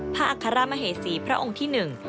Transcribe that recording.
อัครมเหสีพระองค์ที่หนึ่ง